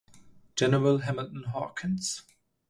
General Hamilton Hawkins.